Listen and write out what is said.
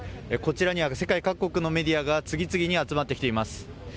こちらには世界各国のメディアが次々に集まってきています。